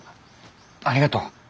ありがとう。